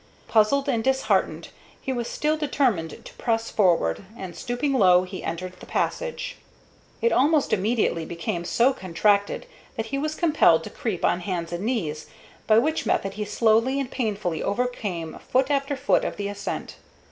Puzzled and disheartened, he was still determined to press forward, and, stooping low, he entered the passage. It almost immediately became so contracted that he was compelled to creep on hands and knees, by which method he slowly and painfully overcame foot after foot of the ascent.